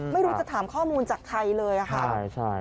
ไม่รู้จะถามข้อมูลจากใครเลยค่ะ